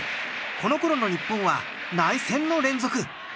この頃の日本は内戦の連続。